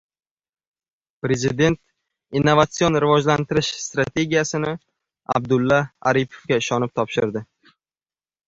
Prezident innovatsion rivojlantirish strategiyasini Abdulla Aripovga ishonib topshirdi